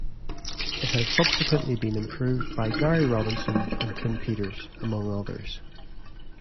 It has subsequently been improved by Gary Robinson and Tim Peters, among others.